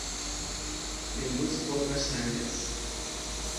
امروز خلقش تنگ است.